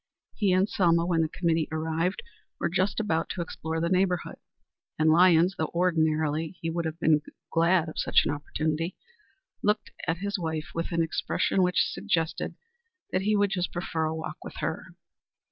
He and Selma, when the committee arrived, were just about to explore the neighborhood, and Lyons, though ordinarily he would have been glad of such an opportunity, looked at his wife with an expression which suggested that he would prefer a walk with her.